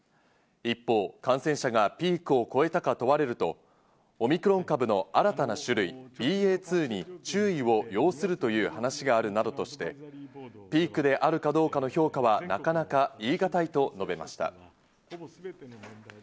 一方、感染者がピークを越えたか問われると、オミクロン株の新たな種類、ＢＡ．２に注意を要するという話があるなどとして、ピークであるかどうかの評価はなかなかいいがたいと述べました。